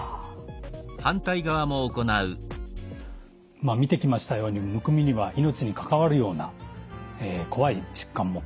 まあ見てきましたようにむくみには命に関わるような怖い疾患も隠れています。